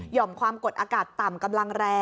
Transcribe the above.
่อมความกดอากาศต่ำกำลังแรง